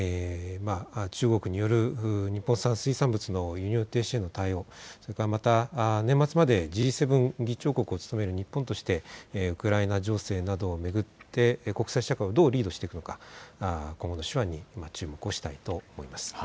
中国による日本産水産物の輸入停止への対応、また年末までＧ７議長国を務める日本としてウクライナ情勢などを巡って国際社会をどうリードしていくか、今後の手腕に注目したいと思います。